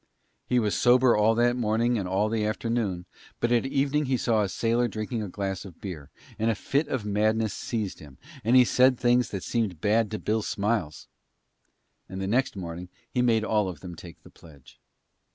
He was sober all that morning and all the afternoon, but at evening he saw a sailor drinking a a glass of beer, and a fit of madness seized him, and he said things that seemed bad to Bill Smiles. And next morning he made all of them take the pledge.